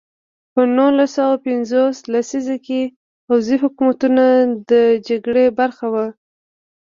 په نولس سوه پنځوس لسیزه کې پوځي حکومت د جګړې برخه وه.